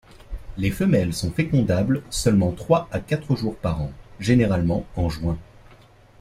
Les femelles sont fécondables seulement trois à quatre jours par an, généralement en juin.